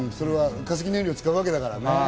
化石燃料を使うわけですからね。